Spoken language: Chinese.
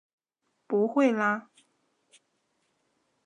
不会啦！